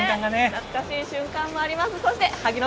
懐かしい瞬間もあります。